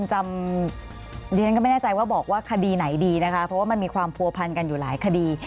ดิฉันก็ไม่แน่ใจว่าบอกว่าคดีไหนดีนะคะเพราะว่ามันมีความผัวพันกันอยู่หลายคดี